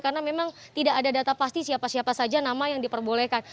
karena memang tidak ada data pasti siapa siapa saja nama yang diperbolehkan